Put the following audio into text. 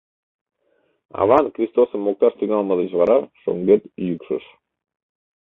Аван Кристосым мокташ тӱҥалмыж деч вара шоҥгет йӱкшыш.